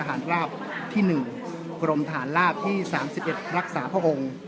หารราบที่หนึ่งกรมฐานราบที่สามสิบเอ็ดรักษาพระองค์